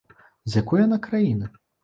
З якой яна краіны?